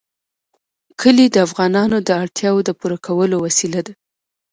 کلي د افغانانو د اړتیاوو د پوره کولو وسیله ده.